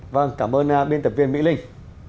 vâng cảm ơn biên tập viên mỹ linh